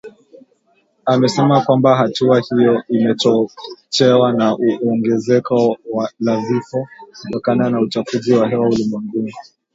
amesema kwamba hatua hiyo imechochewa na ongezeko la vifo kutokana na uchafuzi wa hewa ulimwenguni